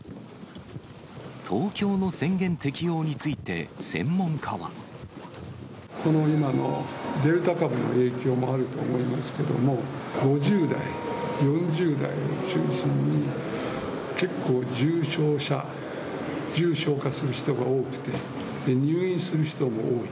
東京の宣言適用について、この今のデルタ株の影響もあると思いますけど、５０代、４０代を中心に、結構、重症者、重症化する人が多くて、入院する人も多い。